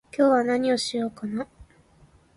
今日は何をしようかな